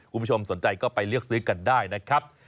คุณผู้ชมสนใจก็ไปเลือกซื้อกันได้นะครับ